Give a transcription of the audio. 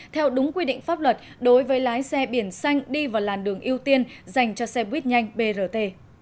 theo đúng quy định pháp luật đối với lái xe biển xanh đi vào làn đường ưu tiên dành cho xe buýt nhanh brt